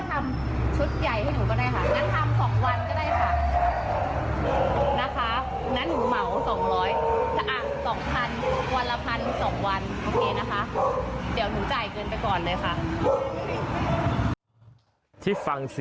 ถ้าคุณน้าไม่รอตังค์